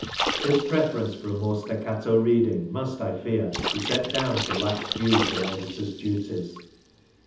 This preference for a more staccato reading must, I fear, be set down to lax views of an editor's duties.